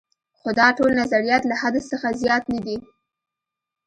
خو دا ټول نظریات له حدس څخه زیات نه دي.